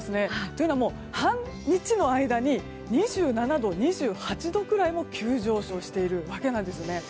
というのも、半日の間に２７度、２８度くらいも急上昇しているんですね。